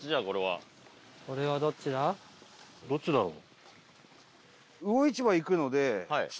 どっちだろう？